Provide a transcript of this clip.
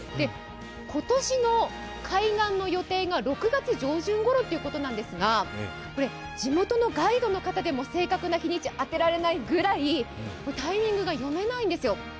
今年の開眼の予定が６月上旬ごろということなんですが、地元のガイドの方でも正確な日にちを当てられないぐらいタイミングが読めないんですよ。